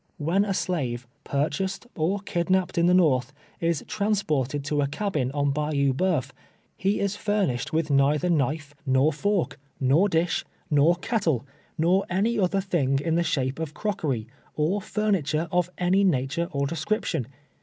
When a slave, purchased, or kidnap ped in the Xorth, is transported to a cabin on Bayou 13ceuf, he is furnished "svith neither knife, nor fork, SUNDAY SERVICES. 195 nor dish, nor kettle, nor any other thing in the shape of crockery, or furniture of any nature or description.